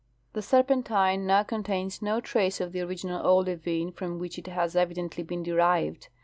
The serpentine now contains no trace of the original olivine from which it has evi dently been derived.